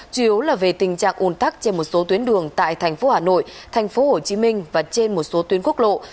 chủ yếu là về tình trạng ồn tắc trên một số tuyến đường tại thành phố hà nội thành phố hồ chí minh và trên một số tuyến quốc lộ